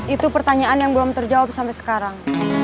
itu pertanyaan yang belum terjawab sampai sekarang